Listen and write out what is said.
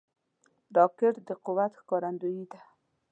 راکټ د قوت ښکارندوی ده